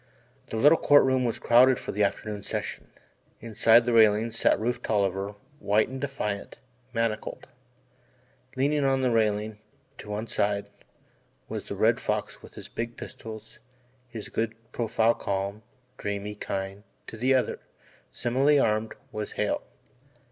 The little Court Room was crowded for the afternoon session. Inside the railing sat Rufe Tolliver, white and defiant manacled. Leaning on the railing, to one side, was the Red Fox with his big pistols, his good profile calm, dreamy, kind to the other, similarly armed, was Hale.